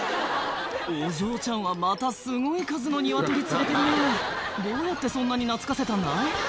お嬢ちゃんはまたすごい数のニワトリ連れてるねどうやってそんなに懐かせたんだい？